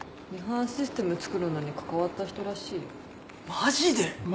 マジで。